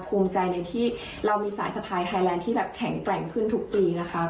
ภูมิใจในที่เรามีสายสะพายไทยแลนด์ที่แบบแข็งแกร่งขึ้นทุกปีนะคะ